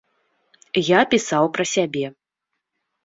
Я пісаў пра сябе.